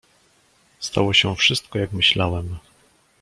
"Stało się wszystko, jak myślałem."